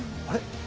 あれ？